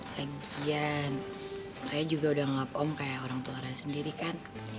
lagian raya juga udah nganggap om kayak orang tua raya sendiri kan